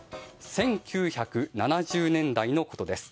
１９７０年代のことです。